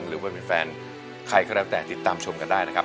หรือว่ามีแฟนใครก็แล้วแต่ติดตามชมกันได้นะครับ